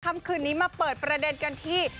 คำคืนนี้มาเปิดประเด็นกันที่